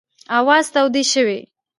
آوازې تودې شوې.